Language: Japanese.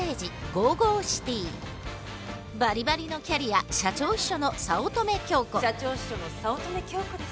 バリバリのキャリア社長秘書の早乙女京子です。